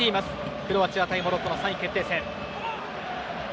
クロアチア対モロッコの３位決定戦。